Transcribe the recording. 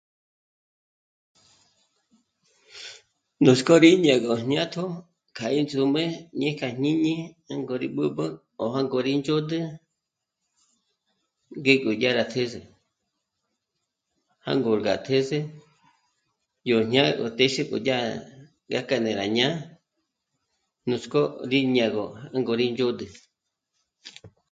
Nuts'k'ó rí ñá'agö jñátjo k'a índzùm'ü ñé kja jñíñi jângo rí b'üb'ü ó jângo rí ndzhôd'ü ngík'o dyá rá të̌ze. Jângor gá të̌ze yó jñá'agö ndéxe k'o yá... dyá k'a né'e rá ñá'a nuts'k'ó ri ñá'agö jângo rí ndzhôd'ü